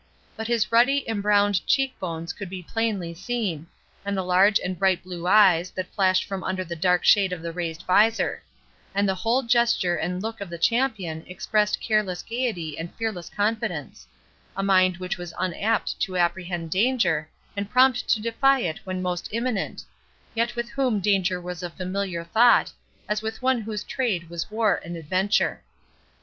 But his ruddy embrowned cheek bones could be plainly seen, and the large and bright blue eyes, that flashed from under the dark shade of the raised visor; and the whole gesture and look of the champion expressed careless gaiety and fearless confidence—a mind which was unapt to apprehend danger, and prompt to defy it when most imminent—yet with whom danger was a familiar thought, as with one whose trade was war and adventure.